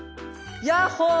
ヤッホー！